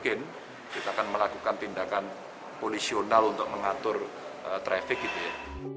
mungkin kita akan melakukan tindakan polisional untuk mengatur traffic gitu ya